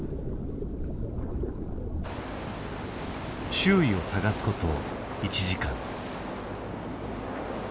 周囲を探すこと１時間。